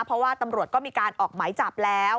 เพราะว่าตำรวจก็มีการออกหมายจับแล้ว